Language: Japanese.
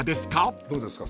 どうですか？